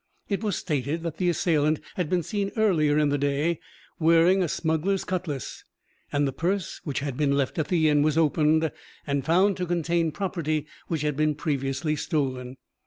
It was stated that the assailant had been seen earlier in the day wearing a smuggler's cutlass; and the purse which had been left at the inn was opened and found to contain property which had been previously stolen.